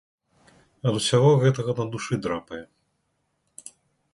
Ад усяго гэтага на душы драпае.